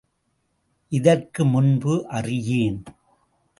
இதற்கு முன்பு அறியேன்.